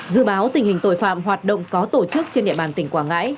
dự báo tình hình tội phạm hoạt động có tổ chức trên địa bàn tỉnh quảng ngãi